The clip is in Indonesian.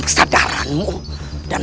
tetap saja berusaha untuk menerimamu